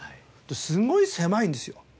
すごい狭いんですよ。